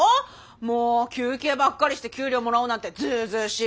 もう休憩ばっかりして給料もらおうなんてずうずうしい。